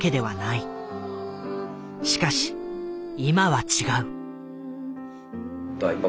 しかし今は違う。